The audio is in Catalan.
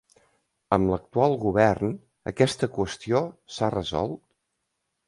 Amb l’actual govern, aquesta qüestió s’ha resolt?